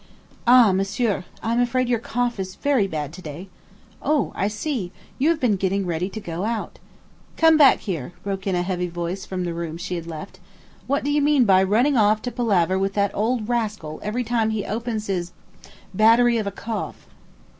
"Ah, Monsieur, I am afraid your cough is very bad to day. O I see; you have been getting ready to go out " "Come back here," broke in a heavy voice from the room she had left. "What do you mean by running off to palaver with that old rascal every time he opens his battery of a cough?"